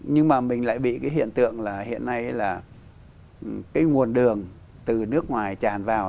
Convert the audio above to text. nhưng mà mình lại bị cái hiện tượng là hiện nay là cái nguồn đường từ nước ngoài tràn vào